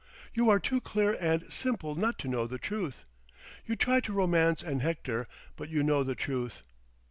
You are too clear and simple not to know the truth. You try to romance and hector, but you know the truth.